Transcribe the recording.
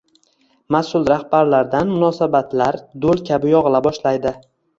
mas’ul rahbarlardan munosabatlar do‘l kabi yog‘ila boshlaydi?